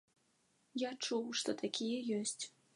Я чуў, што такія ёсць.